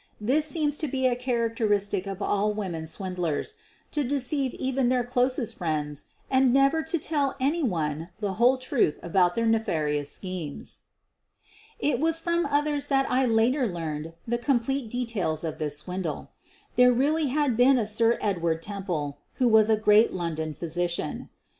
This seems to be a characteristic of all women swindlers — to deceive even their closest friends and never to tell any one the whole truth about their nefarious schemes. It was from others that I later learned the com 110 SOPHIE LYONS plete details of this swindle. There really had been a Sir Edward Temple, who was a great London physician.